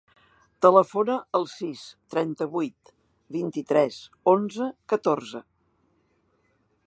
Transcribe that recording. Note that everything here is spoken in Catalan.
Telefona al sis, trenta-vuit, vint-i-tres, onze, catorze.